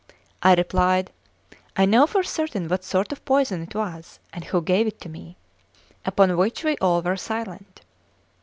I replied: "I know for certain what sort of poison it was, and who gave it to me;" upon which we all were silent.